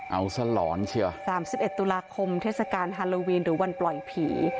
เอาสลอนเชียว๓๑ตุลาคมเทศกาลฮาโลวีนหรือวันปล่อยผี